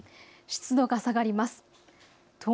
湿度が下がります。